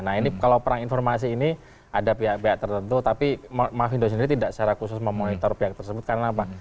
nah ini kalau perang informasi ini ada pihak pihak tertentu tapi mafindo sendiri tidak secara khusus memonitor pihak tersebut karena apa